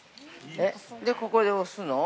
◆え、で、ここで押すの？